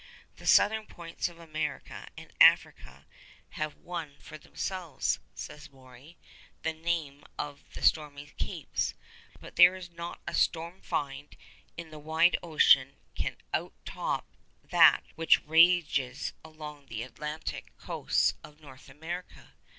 'The southern points of America and Africa have won for themselves,' says Maury, 'the name of "the stormy capes," but there is not a storm find in the wide ocean can out top that which rages along the Atlantic coasts of North America.